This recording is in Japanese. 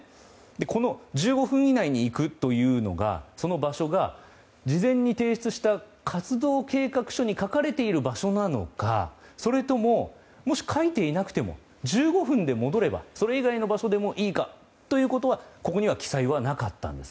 この１５分以内に行くというその場所が、事前に提出した活動計画書に書かれている場所なのかそれとも、もし書いていなくても１５分で戻ればそれ以外の場所でもいいのかということはここには記載はなかったんです。